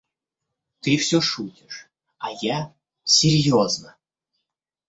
Ты все шутишь, а я серьезно.